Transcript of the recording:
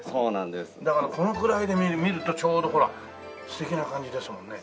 だからこのくらいで見るとちょうどほら素敵な感じですもんね。